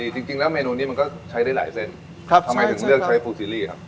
จริงแล้วเมนูนี้มันก็ใช้ได้หลายเส้นทำไมถึงเลือกใช้ฟูซีรีส์ครับ